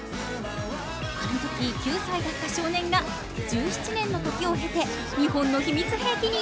あのとき９歳だった少年が１７年の時を経て日本の秘密兵器に。